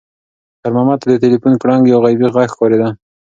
خیر محمد ته د تلیفون ګړنګ یو غیبي غږ ښکارېده.